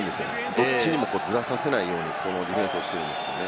どっちにもずらさせないようにディフェンスしてるんです。